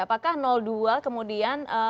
apakah dua kemudian